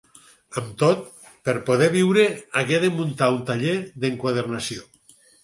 Amb tot, per poder viure hagué de muntar un taller d'enquadernació.